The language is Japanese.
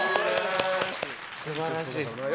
素晴らしい。